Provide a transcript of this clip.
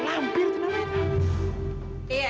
gila lampir kenapa ya tak